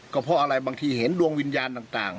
ก็เพราะอะไรบางทีเห็นดวงวิญญาณต่าง